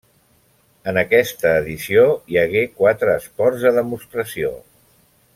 En aquesta edició hi hagué quatre esports de demostració.